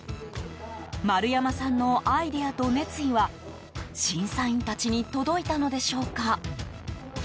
丸山さんのアイデアと熱意は審査員たちに届いたのでしょうか。